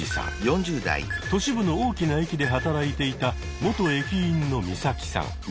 都市部の大きな駅で働いていた元駅員のミサキさん。